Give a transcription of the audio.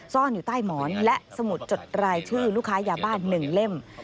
ซ่อนอยู่ใต้หมอนและสมุดจดรายชื่อลูกค้ายาบ้าน๑เล่ม